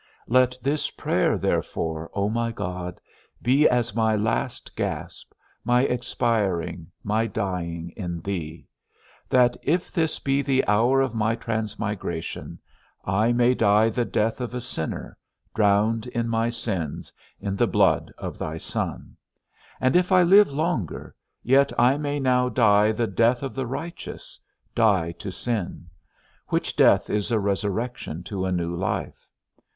Let this prayer therefore, O my God, be as my last gasp, my expiring, my dying in thee; that if this be the hour of my transmigration, I may die the death of a sinner, drowned in my sins, in the blood of thy Son; and if I live longer, yet I may now die the death of the righteous, die to sin; which death is a resurrection to a new life.